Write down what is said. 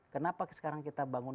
kenapa sekarang kita bangun